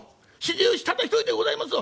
たった一人でございますぞ！」。